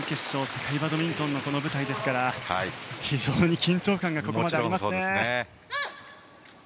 世界バドミントンの舞台ですから非常に緊張感がここまでありますね。